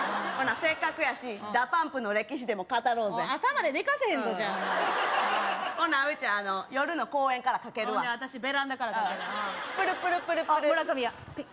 せっかくやしＤＡＰＵＭＰの歴史でも語ろうぜ朝まで寝かせへんぞじゃあほなうち夜の公園からかけるわ私ベランダからかけるプルプルプルプルあっ